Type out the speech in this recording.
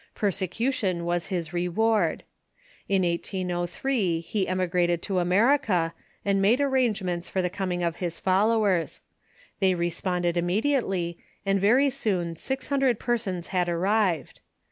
Persecution was his re ward. In 1803 he emigrated to America, and made arrange ments for the coming of his followers. They responded im mediately, and very soon six hundred persons had arrived.